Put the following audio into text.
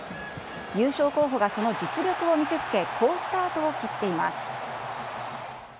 優勝候補がその実力を見せつけ、好スタートを切っています。